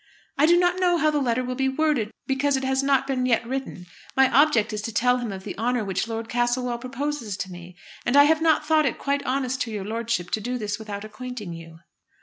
"I do not know how the letter will be worded, because it has not been yet written. My object is to tell him of the honour which Lord Castlewell proposes to me. And I have not thought it quite honest to your lordship to do this without acquainting you."